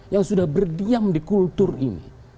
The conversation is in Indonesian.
yang sudah berdiam di kultur ini